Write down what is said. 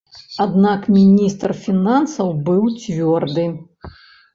Аднак міністр фінансаў быў цвёрды.